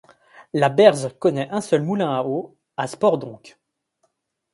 La Beerze connaît un seul moulin à eau, à Spoordonk.